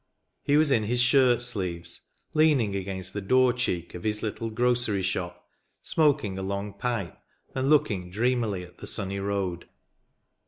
He was in his shirt sleeves, leaning against the door cheek of his little grocery shop, smoking a long pipe, and looking dreamily at the sunny road.